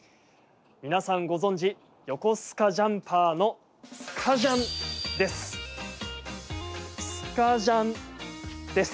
皆さんご存じ横須賀ジャンパーのスカジャンです。